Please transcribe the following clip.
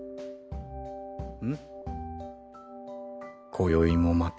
こよいもまた。